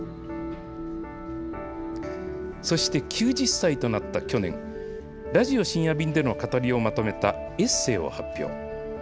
そして９０歳となった去年、ラジオ深夜便での語りをまとめたエッセーを発表。